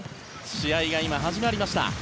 試合が今、始まりました。